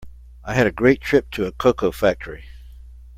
I had a great trip to a cocoa factory.